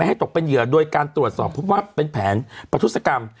ให้ตกเป็นเหยื่อโดยการตรวจสอบพบว่าเป็นแผนประทุศกรรม